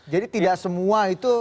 jadi tidak semua itu